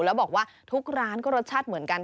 แล้วบอกว่าทุกร้านก็รสชาติเหมือนกัน